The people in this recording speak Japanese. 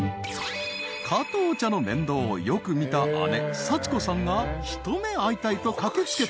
［加藤茶の面倒をよく見た姉幸子さんが一目会いたいと駆け付けた］